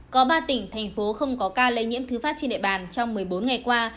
có ba tỉnh thành phố không có ca lây nhiễm thứ phát trên địa bàn trong một mươi bốn ngày qua